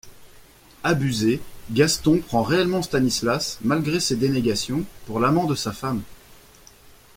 Abusé, Gaston prend réellement Stanislas, malgré ses dénégations, pour l'amant de sa femme.